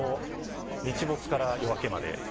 日没から夜明けまで。